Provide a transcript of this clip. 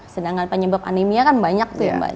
sedangkan penyebab anemia kan banyak tuh ya mbak